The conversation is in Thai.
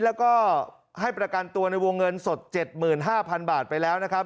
แล้วก็ให้ประกันตัวในวงเงินสด๗๕๐๐๐บาทไปแล้วนะครับ